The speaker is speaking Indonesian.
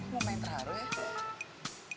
mau main terharu ya